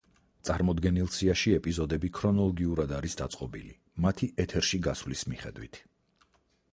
წარმოდგენილ სიაში ეპიზოდები ქრონოლოგიურად არის დაწყობილი, მათი ეთერში გასვლის მიხედვით.